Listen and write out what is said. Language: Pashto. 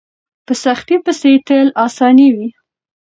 په سختۍ پسې تل اساني وي.